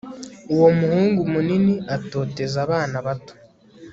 Uwo muhungu munini atoteza abana bato